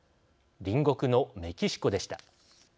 隣国のメキシコでした。